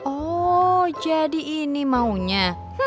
oh jadi ini maunya